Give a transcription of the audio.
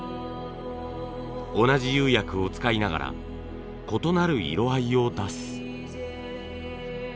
同じ釉薬を使いながら異なる色合いを出す。